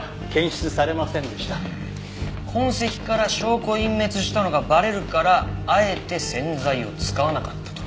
痕跡から証拠隠滅したのがバレるからあえて洗剤を使わなかったとか？